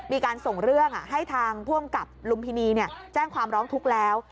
มีการส่งเรื่องให้ทางผู้อำกับลุมพินีแจ้งความร้องทุกข์แล้ว